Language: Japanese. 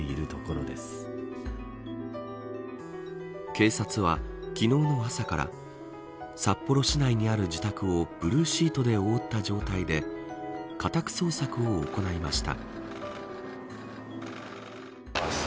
警察は、昨日の朝から札幌市内にある自宅をブルーシートで覆った状態で家宅捜索を行いました。